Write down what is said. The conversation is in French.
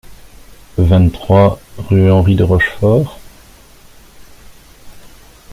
vingt-trois rue Henri de Rochefort